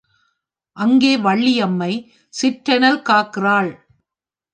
அங்கே வள்ளியம்மை சிற்றேனல் காக்கிறாள்.